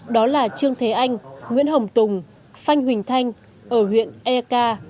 đó là trương thế anh nguyễn hồng tùng phanh huỳnh thanh ở huyện e ca